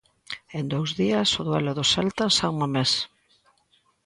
En dous días o duelo do Celta en San Mamés.